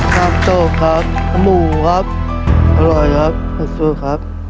ครับโจ๊กครับเลือดหมูครับอร่อยครับครับโจ๊กครับ